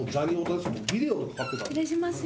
失礼します。